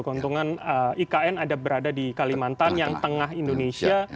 keuntungan ikn ada berada di kalimantan yang tengah indonesia